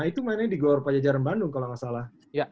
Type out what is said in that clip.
itu mainnya di glor pajajaran bandung kalau tidak salah